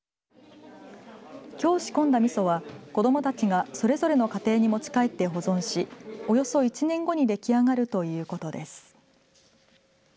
きょう仕込んだみそは子どもたちがそれぞれの家庭に持ち帰って保存しおよそ１年後に出来上がるということです。